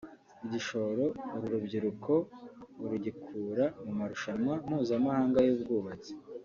Igishoro uru rubyiruko ngo rugikura mu marushanwa mpuzamahanga y’ubwanditsi